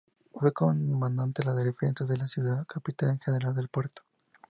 Fue comandante de la defensa de la ciudad y capitán general del puerto.